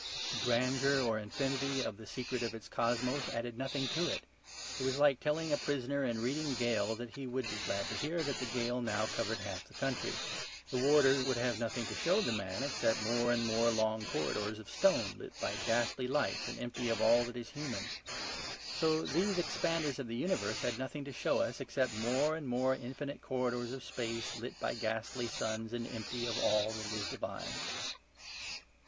The grandeur or infinity of the secret of its cosmos added nothing to it. It was like telling a prisoner in Reading gaol that he would be glad to hear that the gaol now covered half the county. The warder would have nothing to show the man except more and more long corridors of stone lit by ghastly lights and empty of all that is human. So these expanders of the universe had nothing to show us except more and more infinite corridors of space lit by ghastly suns and empty of all that is divine.